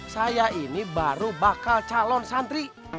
saya ini baru bakal calon santri